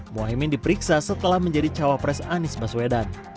mohaimin diperiksa setelah menjadi cawapres anies baswedan